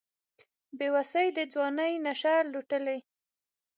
بیوسۍ ترې د ځوانۍ نشه لوټلې